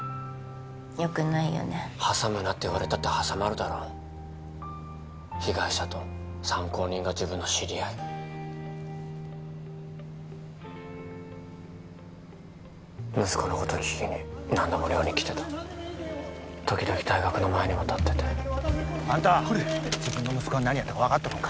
よくないよね挟むなって言われたって挟まるだろ被害者と参考人が自分の知り合い息子のこと聞きに何度も寮に来てた時々大学の前にも立っててあんた自分の息子が何やったか分かっとるんか？